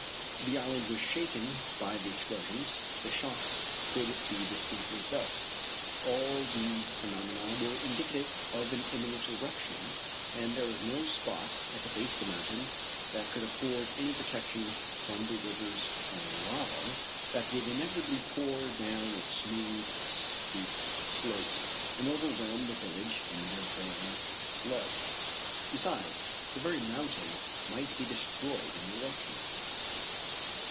The island was shaken by the explosions the shocks could be distinctly felt. All these phenomena were indicative of an imminent eruption, and there was no spot at the base of the mountain that could afford any protection from the rivers of lava that would inevitably pour down its smooth, steep slopes and overwhelm the village in their boiling flood. Besides, the very mountain might be destroyed in the eruption.